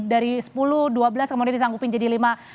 dari sepuluh dua belas kemudian disanggupin jadi lima